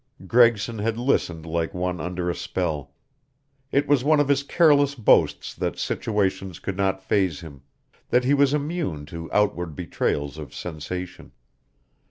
Gregson had listened like one under a spell. It was one of his careless boasts that situations could not faze him, that he was immune to outward betrayals of sensation.